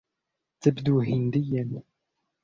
تبدو هنديا.